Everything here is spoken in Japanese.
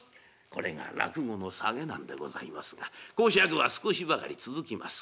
これが落語のサゲなんでございますが講釈は少しばかり続きます。